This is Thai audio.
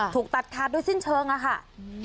ถูกตัดขาดโดยสิ้นเชิงอะค่ะ